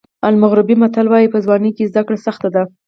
المغربي متل وایي په ځوانۍ کې زده کړه سخته ده.